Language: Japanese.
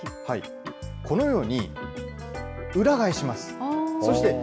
このように、裏返します。